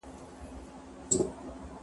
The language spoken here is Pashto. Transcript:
مور مې ماته د سپېڅلې مینې په اړه ډېر څه وویل.